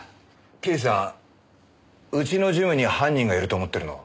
刑事さんうちのジムに犯人がいると思ってるの？